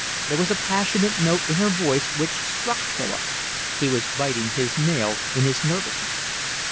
There was a passionate note in her voice which struck Philip. He was biting his nails in his nervousness.